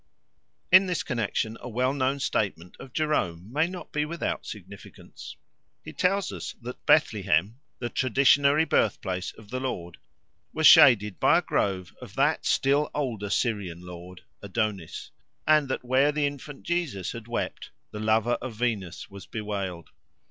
In this connexion a well known statement of Jerome may not be without significance. He tells us that Bethlehem, the traditionary birthplace of the Lord, was shaded by a grove of that still older Syrian Lord, Adonis, and that where the infant Jesus had wept, the lover of Venus was bewailed.